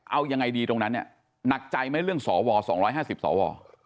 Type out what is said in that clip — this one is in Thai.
เอายังไงดีตรงนั้นเนี่ยหนักใจไหมเรื่องสว๒๕๐สว